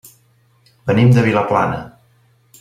Venim de Vilaplana.